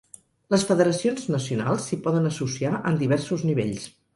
Les federacions nacionals s'hi poden associar en diversos nivells.